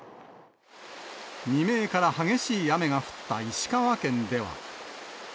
未明から激しい雨が降った石川県では。